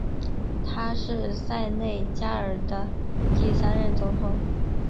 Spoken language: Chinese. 他是塞内加尔的第三任总统。